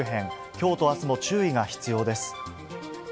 きょうとあすも注意が必要です。